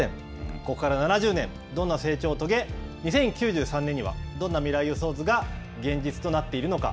ここから７０年、どんな成長を遂げ、２０９３年にはどんな未来予想図が現実となっているのか。